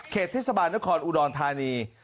เทศบาลนครอุดรธานี